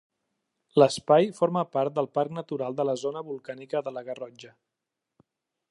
L'espai forma part del Parc Natural de la Zona Volcànica de la Garrotxa.